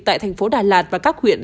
tại thành phố đà lạt và các huyện